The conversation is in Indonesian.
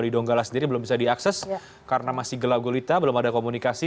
di donggala sendiri belum bisa diakses karena masih gelap gulita belum ada komunikasi